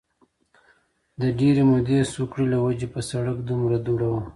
د ډېرې مودې سوکړې له وجې په سړک دومره دوړه وه